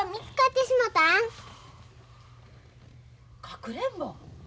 かくれんぼ？